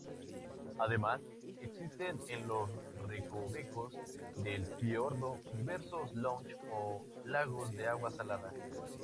Además, existen en los recovecos del fiordo diversos loch o lagos de agua salada.